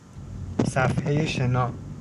صفحه شنا